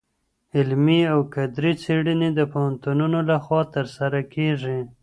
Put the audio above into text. علمي او کدري څېړني د پوهنتونونو لخوا ترسره کيږي.